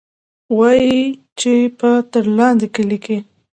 وايي چې پۀ ترلاندۍ کلي کښې